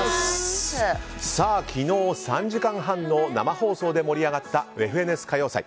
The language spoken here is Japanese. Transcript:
昨日３時間半の生放送で盛り上がった「ＦＮＳ歌謡祭」。